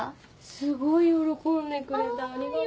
すごい喜んでくれたありがとう。